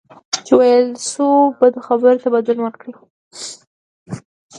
چې ویل شوو بدو خبرو ته بدلون ورکړئ.